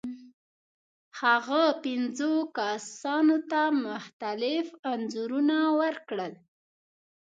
هغه پنځو کسانو ته مختلف انځورونه ورکړل.